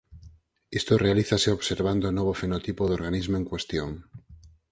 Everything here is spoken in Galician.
Isto realízase observando o novo fenotipo do organismo en cuestión.